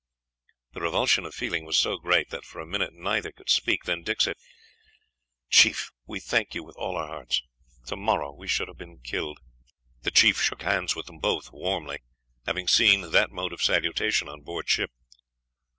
The revulsion of feeling was so great that, for a minute, neither could speak; then Dick said, "Chief, we thank you with all our hearts. Tomorrow we should have been killed." The chief shook hands with them both warmly, having seen that mode of salutation on board ship.